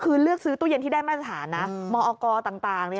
คือเลือกซื้อตู้เย็นที่ได้มาตรฐานนะมอกต่าง